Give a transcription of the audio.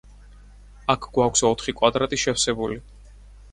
აქ გვაქვს ოთხი კვადრატი შევსებული.